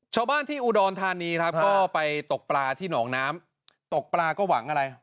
ชาวบ้านที่อุดรธานีครับก็ไปตกปลาที่หนองน้ำตกปลาก็หวังอะไร